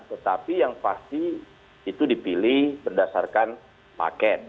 tetapi yang pasti itu dipilih berdasarkan paket